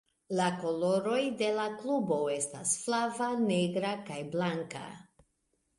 La koloroj de la klubo estas flava, negra, kaj blanka.